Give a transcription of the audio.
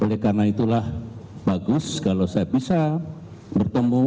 oleh karena itulah bagus kalau saya bisa bertemu